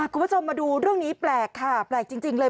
คุณผู้ชมมาดูเรื่องนี้แปลกค่ะแปลกจริงเลย